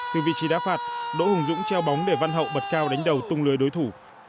từ vị trí đá phạt đỗ hùng dũng treo bóng để văn hậu bật cao đánh đầu tung lưới đối thủ